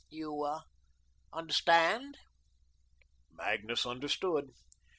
You understand?" Magnus understood.